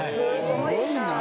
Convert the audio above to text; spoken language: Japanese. すごいな！